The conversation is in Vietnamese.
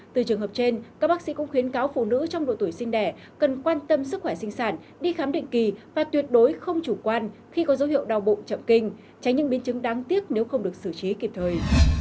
từ trường hợp trên các bác sĩ cũng khuyến cáo phụ nữ trong độ tuổi sinh đẻ cần quan tâm sức khỏe sinh sản đi khám định kỳ và tuyệt đối không chủ quan khi có dấu hiệu đau bụng chậm kinh tránh những biến chứng đáng tiếc nếu không được xử trí kịp thời